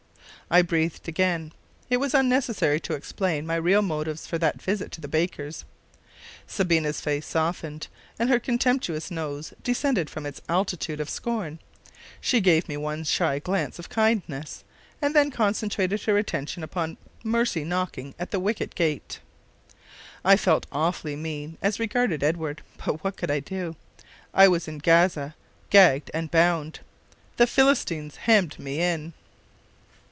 I breathed again. It was unnecessary to explain my real motives for that visit to the baker's. Sabina's face softened, and her contemptuous nose descended from its altitude of scorn; she gave me one shy glance of kindness, and then concentrated her attention upon Mercy knocking at the Wicket Gate. I felt awfully mean as regarded Edward; but what could I do? I was in Gaza, gagged and bound; the Philistines hemmed me in.